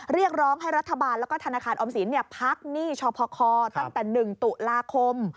เรียกร้องให้รัฐบาลแล้วก็ธนาคารออมสินพักหนี้ชพคตั้งแต่๑ตุลาคม